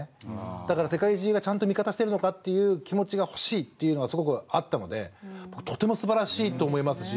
だから世界中がちゃんと味方してるのかっていう気持ちが欲しいっていうのがすごくあったのでとてもすばらしいと思いますし。